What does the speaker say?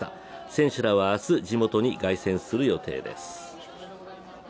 選手らは明日、地元に凱旋する予定です。